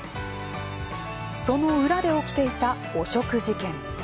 その裏で起きていた汚職事件。